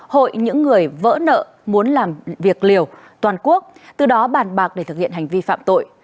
hội những người vỡ nợ muốn làm việc liều toàn quốc từ đó bàn bạc để thực hiện hành vi phạm tội